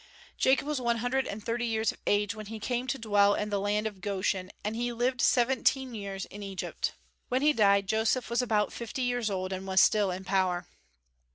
Jacob was one hundred and thirty years of age when he came to dwell in the land of Goshen, and he lived seventeen years in Egypt. When he died, Joseph was about fifty years old, and was still in power.